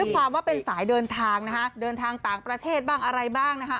ความว่าเป็นสายเดินทางนะคะเดินทางต่างประเทศบ้างอะไรบ้างนะคะ